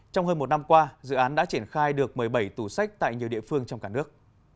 trong hơn một năm qua dự án đã triển khai được một mươi bảy tủ sách tại nhiều địa phương trong cả nước